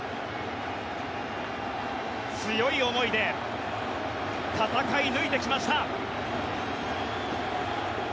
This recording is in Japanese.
強い思いで戦い抜いてきました。